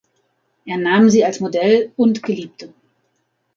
Er nahm sie als Modell und Geliebte.